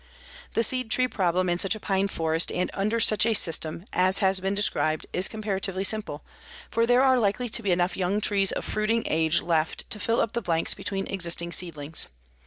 The seed tree problem in such a pine forest and under such a system as has been described is comparatively simple, for there are likely to be enough young trees of fruiting age left to fill up the blanks between existing seedlings.